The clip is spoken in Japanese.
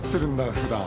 ふだん。